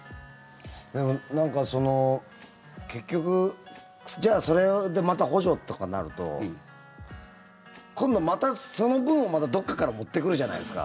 でも、結局じゃあそれでまた補助ってなると今度またその分をどこかから持ってくるじゃないですか。